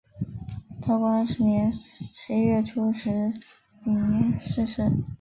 道光二十年十一月初十丙寅逝世。